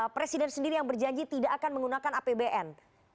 presiden sendiri yang berjanji tidak akan menggunakan apbn